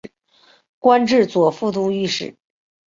官至左副都御史。